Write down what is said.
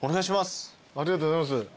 ありがとうございます。